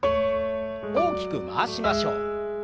大きく回しましょう。